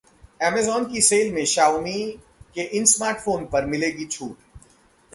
Amazon की sale में Xiaomi के इन स्मार्टफोन्स पर मिलेगी छूट